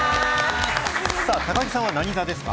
高城さんは何座ですか？